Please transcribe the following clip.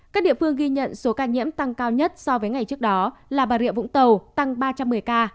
các địa phương ghi nhận số ca nhiễm tăng cao nhất so với ngày trước đó là bà rịa vũng tàu tăng ba trăm một mươi ca